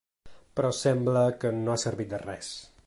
Però sembla que no ha servit de res.